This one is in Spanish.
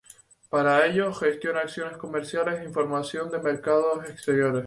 Para ello, gestiona acciones comerciales e información de mercados exteriores.